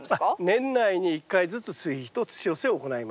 年内に１回ずつ追肥と土寄せを行います。